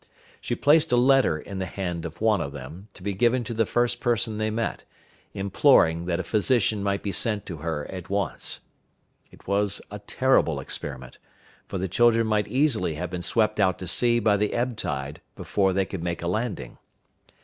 She placed a letter in the hand of one of them, to be given to the first person they met, imploring that a physician might be sent to her at once. It was a terrible experiment, for the children might easily have been swept out to sea by the ebb tide before they could make a landing.